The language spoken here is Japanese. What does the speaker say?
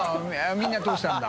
みんな通したんだ。